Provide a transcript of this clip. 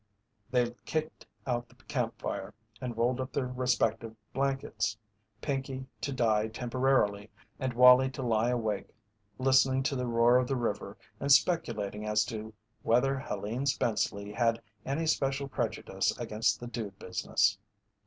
They kicked out the camp fire and rolled up in their respective blankets, Pinkey to die temporarily, and Wallie to lie awake listening to the roar of the river and speculating as to whether Helene Spenceley had any special prejudice against the dude business.